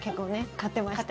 買ってました。